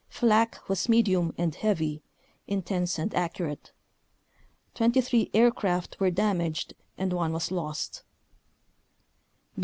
Flak was medium and heavy, intense and accurate; 23 aircraft were damaged and one was lost.